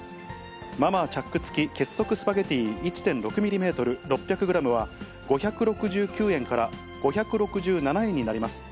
マ・マーチャック付結束スパゲティ１．６ｍｍ６００ｇは、５６９円から５６７円になります。